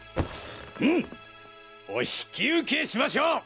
うんお引き受けしましょう！